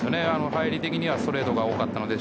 入り的にはストレートが多かったので。